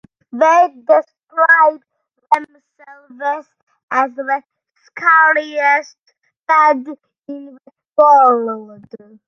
They describe themselves as The Scariest Band in the World.